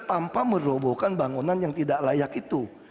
tanpa merobohkan bangunan yang tidak layak itu